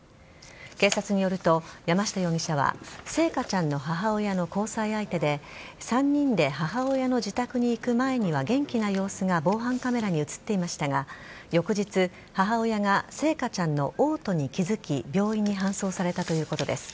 警察によると山下容疑者は星華ちゃんの母親の交際相手で３人で母親の自宅に行く前には元気な様子が防犯カメラに映っていましたが翌日、母親が星華ちゃんの嘔吐に気付き病院に搬送されたということです。